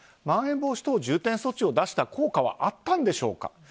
まん延防止等重点措置を出した効果はあったんでしょうか。